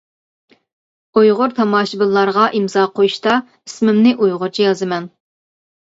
ئۇيغۇر تاماشىبىنلارغا ئىمزا قويۇشتا ئىسمىمنى ئۇيغۇرچە يازىمەن.